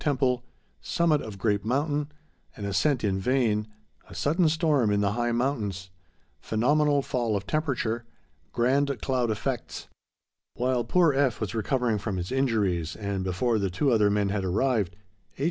Temple—Summit of Great Mountain—An Ascent in Vain—A Sudden Storm in the High Mountains—Phenomenal Fall of Temperature—Grand Cloud Effects._ While poor F. was recovering from his injuries, and before the two other men had arrived, H.